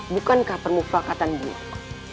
bukankah permufakatan buruk